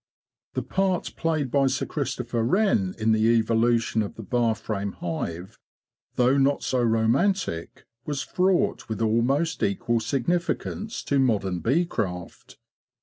The part played by Sir Christopher Wren in the evolution of the bar frame hive, though not so romantic, was fraught with almost equal significance to modern bee craft.